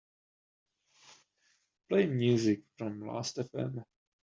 Play music from Lastfm.